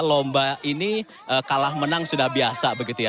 lomba ini kalah menang sudah biasa begitu ya